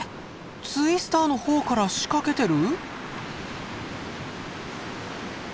ツイスターの方から仕掛けてる？